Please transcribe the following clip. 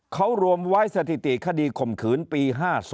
เขารวมไว้สถิติคดีข่มขืนปี๕๒